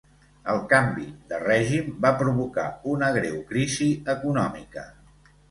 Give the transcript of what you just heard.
El canvi de règim va provocar una greu crisi econòmica.